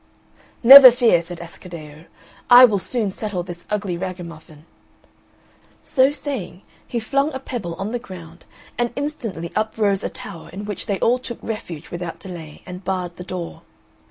"Never fear," said Ascaddeo, "I will soon settle this ugly ragamuffin." So saying, he flung a pebble on the ground and instantly up rose a tower in which they all took refuge without delay, and barred the door.